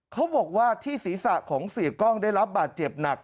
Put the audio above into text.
เขาบอกว่าที่ศีรษะของเสียกล้องได้รับบาดเจ็บหนัก